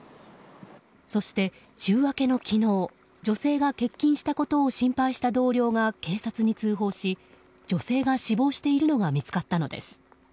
そして週明けの昨日女性が欠勤したことを心配した同僚が警察に通報し女性が死亡しているのが見つかったのです。